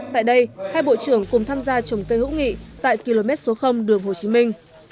tại đây hai bộ trưởng cùng tham gia trồng cây hữu nghị tại km số đường hồ chí minh